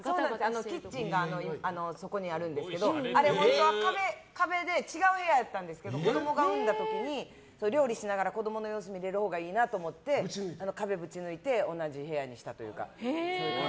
キッチンがそこにあるんですけど本当は壁が違う部屋やったんですけど子供を産んだ時に料理しながら子供の様子を見れるほうがいいなと思って壁をぶち抜いて同じ部屋にしたというか。